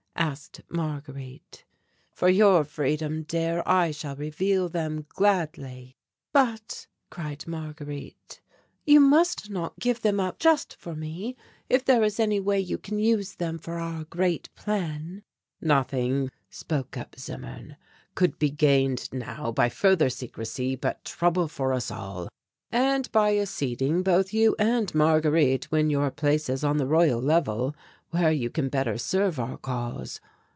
asked Marguerite. "For your freedom, dear, I shall reveal them gladly." "But," cried Marguerite, "you must not give them up just for me, if there is any way you can use them for our great plan." "Nothing," spoke up Zimmern, "could be gained now by further secrecy but trouble for us all; and by acceding, both you and Marguerite win your places on the Royal Level, where you can better serve our cause.